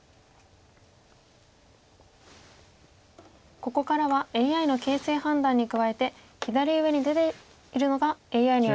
ここからはＡＩの形勢判断に加えて左上に出ているのがＡＩによる予想手です。